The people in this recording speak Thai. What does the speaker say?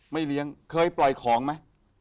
เลี้ยงเคยปล่อยของไหม